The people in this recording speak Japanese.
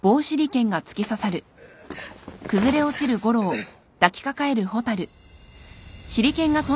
うっ。